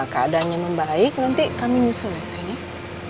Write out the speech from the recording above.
keadaannya membaik nanti kami nyusul ya sayang